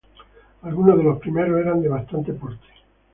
Algunos de los primeros eran de bastante porte.